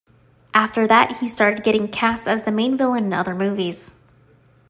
After that, he started getting cast as the main villain in other movies.